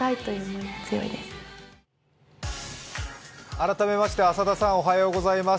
改めまして浅田さんおはようございます。